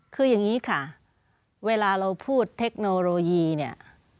คืออย่างนี้ค่ะเวลาเราพูดเทคโนโลยีเนี่ย